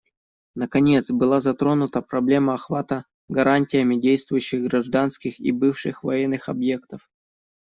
Наконец, была затронута проблема охвата гарантиями действующих гражданских и бывших военных объектов.